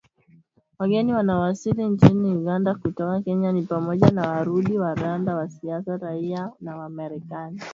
Wageni wanaowasili nchini Uganda kutoka Kenya ni pamoja na Warundi Wanyarwanda, waasia raia wa Marekani